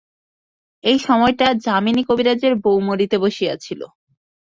এই সময়টা যামিনী কবিরাজের বৌ মরিতে বসিয়াছিল।